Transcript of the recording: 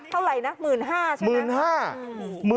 เท่าไหร่นะ๑๕๐๐ใช่ไหม๑๕๐๐บาท